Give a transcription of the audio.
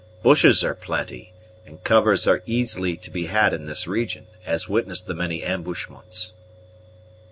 Bushes are plenty, and covers are easily to be had in this region, as witness the many ambushments."